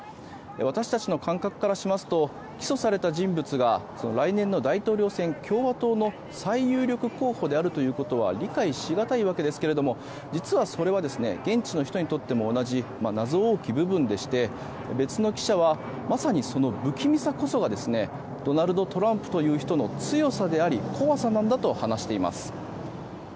私たちの感覚からしますと起訴された人物が来年の大統領選、共和党の最有力候補であるということは理解したわけですけども実はそれは現地の人も同じ謎多き部分でして別の記者はまさにその不気味こそがドナルド・トランプという人の強さであり怖さなんだと話しています。